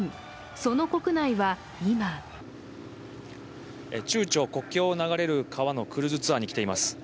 その国内は今中朝国境を流れる川のクルーズツアーに来ています。